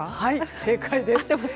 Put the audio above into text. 正解です。